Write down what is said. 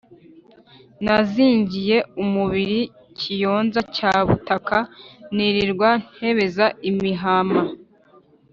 nazingiye umubili kiyonza cya butaka, nilirwa ntebeza imihama,